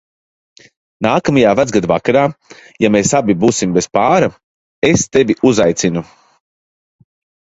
Nākamajā Vecgada vakarā, ja mēs abi būsim bez pāra, es tevi uzaicinu.